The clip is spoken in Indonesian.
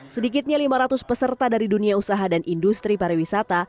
sedikitnya lima ratus peserta dari dunia usaha dan industri pariwisata